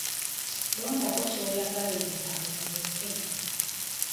Londako ky'oyagala ebirala obireke.